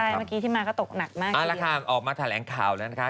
ใช่เมื่อกี้ที่มาก็ตกหนักมากกี่เดียวคุณแมนเอาล่ะค่ะออกมาถ่ายแรงข่าวแล้วนะคะ